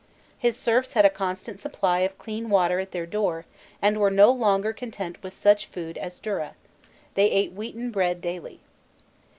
His serfs had a constant supply of clean water at their door, and were no longer content with such food as durra; they ate wheaten bread daily.